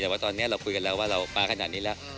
แต่ว่าตอนนี้เราคุยกันแล้วว่าเรามาขนาดนี้แล้ว